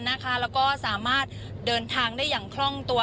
แล้วก็สามารถเดินทางได้อย่างคล่องตัว